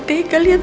terima kasih mas